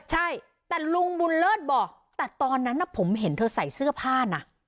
ใช่แต่ลุงบุญเลิศบอกแต่ตอนนั้นผมเห็นเธอใส่เสื้อผ้านะ